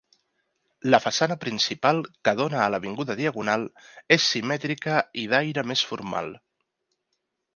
La façana principal, que dóna a l'avinguda Diagonal és simètrica i d'aire més formal.